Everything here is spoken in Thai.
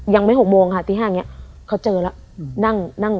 ยังไม่๖โมงค่ะตี๕นี้เขาเจอแล้ว